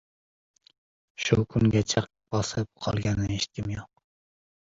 Shu kungacha bosib qolganini eshitganim yo‘q.